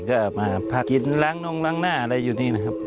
ก็มาพักกินล้างนงล้างหน้าอะไรอยู่นี่นะครับ